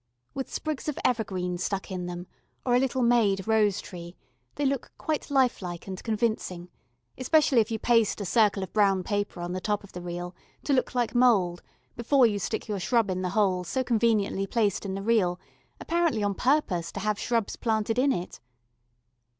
With sprigs of evergreen stuck in them, or a little made rose tree, they look quite life like and convincing, especially if you paste a circle of brown paper on the top of the reel, to look like mould, before you stick your shrub in the hole so conveniently placed in the reel, apparently on purpose to have shrubs planted in it.